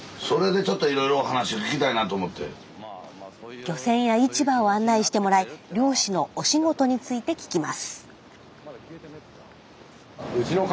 それでちょっと漁船や市場を案内してもらい漁師のお仕事について聞きます。